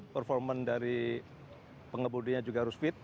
performance dari pengebudinya juga harus fit